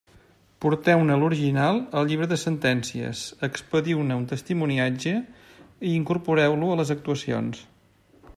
Porteu-ne l'original al llibre de sentències, expediu-ne un testimoniatge i incorporeu-lo a les actuacions.